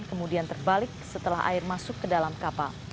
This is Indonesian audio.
kemudian terbalik setelah air masuk ke dalam kapal